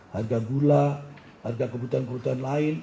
harga gula harga kebutuhan kebutuhan lain